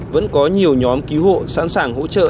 vẫn có nhiều nhóm cứu hộ sẵn sàng hỗ trợ